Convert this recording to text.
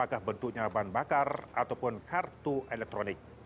apakah bentuknya bahan bakar ataupun kartu elektronik